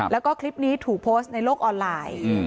แล้วก็คลิปนี้ถูกโพสต์ในโลกออนไลน์